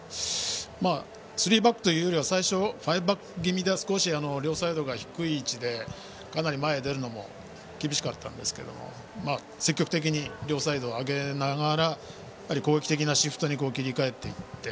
スリーバックというよりは最初ファイブバック気味で両サイドが低い位置でかなり前に出るのも厳しかったんですが両サイドを上げて攻撃的なシフトに切り替えていき